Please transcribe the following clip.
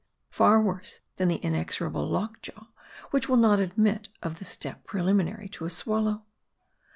Far worse than the inexorable lock jaw, which will not admit of the step preliminary to a swallow.